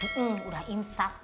dia gak mau menyakiti kamu